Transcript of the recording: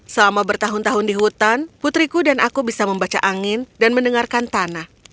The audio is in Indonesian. selama bertahun tahun di hutan putriku dan aku bisa membaca angin dan mendengarkan tanah